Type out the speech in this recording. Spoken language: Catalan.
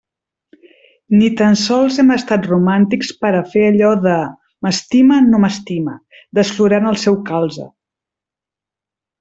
Ni tan sols hem estat romàntics per a fer allò de «m'estima, no m'estima» desflorant el seu calze.